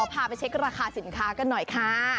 พาไปเช็คราคาสินค้ากันหน่อยค่ะ